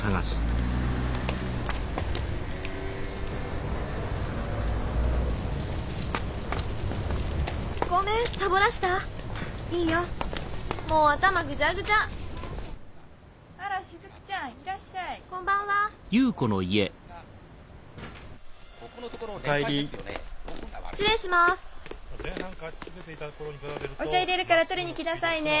お茶いれるから取りに来なさいね。